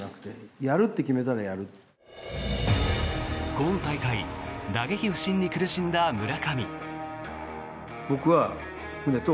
今大会、打撃不振に苦しんだ村上。